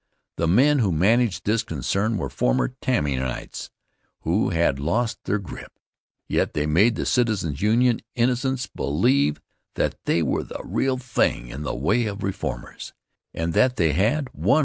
The men who managed this concern were former Tammanyites who had lost their grip; yet they made the Citizens' Union innocents believe that they were the real thing in the way of reformers, and that they had 100,000 voter back of them.